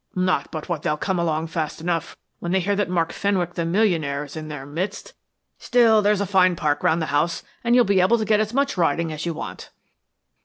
Not but what they'll come along fast enough when they hear that Mark Fenwick, the millionaire, is in their midst. Still, there is a fine park round the house, and you'll be able to get as much riding as you want."